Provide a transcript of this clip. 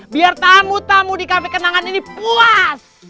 biar tamu tamu di kafe kenangan ini puas